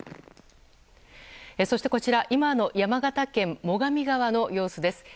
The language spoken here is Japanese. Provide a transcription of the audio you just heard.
こちらは今の山形県最上川の様子です。